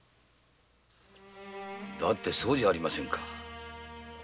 だってそうじゃありませんか。